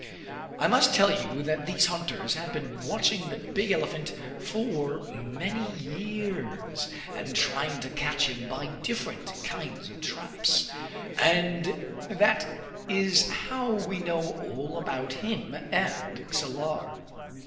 I must tell you here that these hunters had been watching the big elephant for many years, and trying to catch him by different kinds of traps; and that is how we know all about him and Salar.